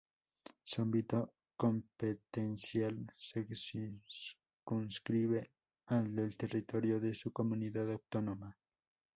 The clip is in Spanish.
Su ámbito competencial se circunscribe al del territorio de su comunidad autónoma.